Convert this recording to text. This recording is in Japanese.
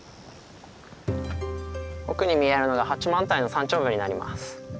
奥に見えるのが八幡平の山頂部になります。